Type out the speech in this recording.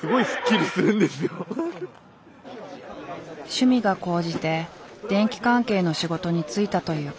趣味が高じて電気関係の仕事に就いたという彼。